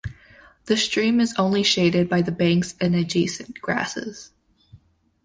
The stream is only shaded by the banks and adjacent grasses.